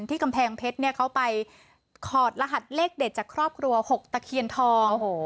กำแพงเพชรเนี่ยเขาไปถอดรหัสเลขเด็ดจากครอบครัว๖ตะเคียนทอง